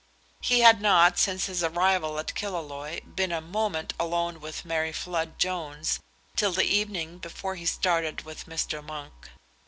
He had not, since his arrival at Killaloe, been a moment alone with Mary Flood Jones till the evening before he started with Mr. Monk.